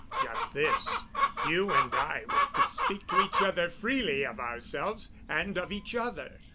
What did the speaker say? "Just this: You and I were to speak to each other freely of ourselves and of each other.